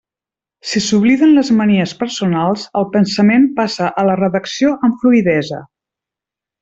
Si s'obliden les manies personals, el pensament passa a la redacció amb fluïdesa.